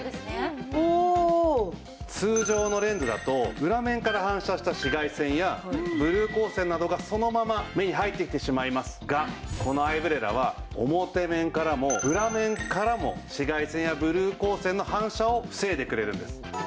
通常のレンズだと裏面から反射した紫外線やブルー光線などがそのまま目に入ってきてしまいますがこのアイブレラは表面からも裏面からも紫外線やブルー光線の反射を防いでくれるんです。